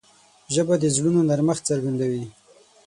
ژبه د زړونو نرمښت څرګندوي